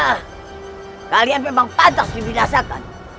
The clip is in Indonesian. hah kalian memang pantas diminasakan